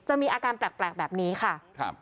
จะมีอาการแปลกแบบนี้ค่ะ